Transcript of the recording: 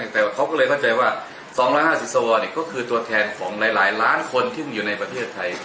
แต่เขาก็เลยเข้าใจว่า๒๕๐สวก็คือตัวแทนของหลายล้านคนที่อยู่ในประเทศไทย